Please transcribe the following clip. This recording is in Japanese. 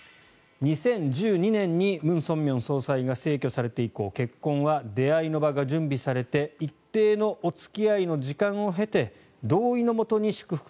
２０１２年にムン・ソンミョン総裁が逝去されて以降結婚は出会いの場が準備されて一定のお付き合いの時間を経て同意のもとに祝福